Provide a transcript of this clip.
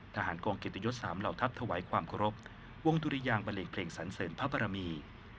ทหารกองเกียรติยศ๓เหล่าทัพถวายความเคารพวงดุริยางบันเลงเพลงสันเสริญพระบรมี